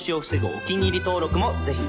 お気に入り登録もぜひ